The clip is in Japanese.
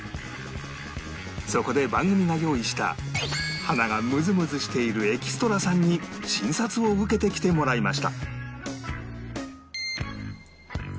そこで番組が用意した鼻がムズムズしているエキストラさんに診察を受けてきてもらいました